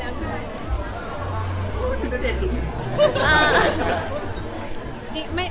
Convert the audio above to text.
ว่างค่ะ